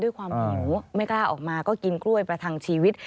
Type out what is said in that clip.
ความหิวไม่กล้าออกมาก็กินกล้วยประทังชีวิต